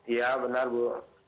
iya benar bu